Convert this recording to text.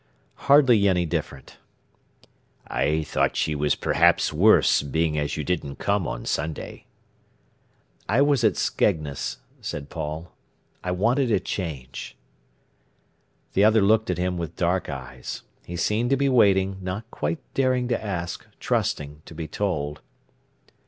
"Hardly any different." "I thought she was perhaps worse, being as you didn't come on Sunday." "I was at Skegness," said Paul. "I wanted a change." The other looked at him with dark eyes. He seemed to be waiting, not quite daring to ask, trusting to be told.